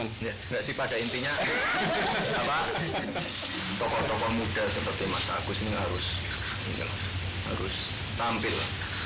enggak sih pada intinya tokoh tokoh muda seperti mas agus ini harus tampil